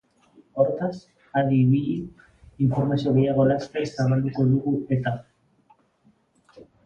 Hortaz, adi ibili, informazio gehiago laster zabalduko dugu eta!